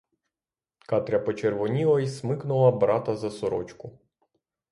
Катря почервоніла й смикнула брата за сорочку.